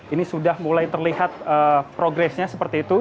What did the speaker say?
ini sudah mulai terlihat progresnya seperti itu